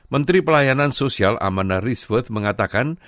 menteri pelayanan sosial amanda riesworth mengatakan